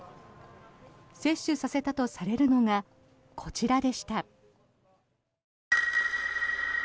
摂取させたとされるのがこちらでした。